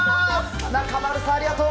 中丸さん、ありがとう。